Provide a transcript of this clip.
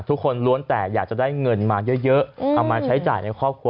ทุกคนล้วนแต่อยากจะได้เงินมาเยอะเอามาใช้จ่ายในครอบครัว